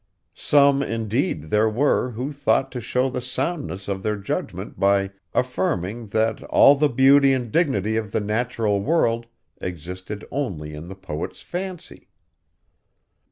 Some, indeed, there were, who thought to show the soundness of their judgment by affirming that all the beauty and dignity of the natural world existed only in the poet's fancy.